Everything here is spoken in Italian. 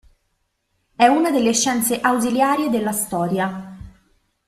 È una delle scienze ausiliarie della storia.